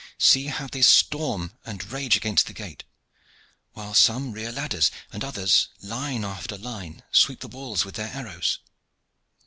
See how they storm and rage against the gate, while some rear ladders, and others, line after line, sweep the walls with their arrows.